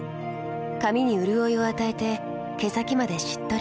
髪にうるおいを与えて毛先までしっとり。